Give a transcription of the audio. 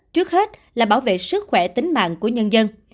cách là bảo vệ sức khỏe tính mạng của nhân dân